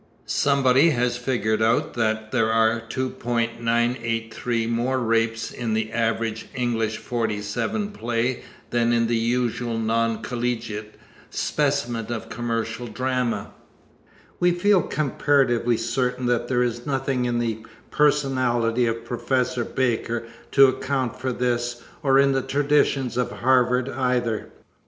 Somebody has figured out that there are 2.983 more rapes in the average English 47 play than in the usual non collegiate specimen of commercial drama. We feel comparatively certain that there is nothing in the personality of Professor Baker to account for this or in the traditions of Harvard, either.